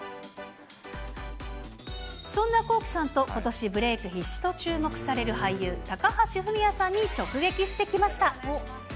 そんなＫｏｋｉ，さんとことしブレーク必至と注目される俳優、高橋文哉さんに直撃してきました。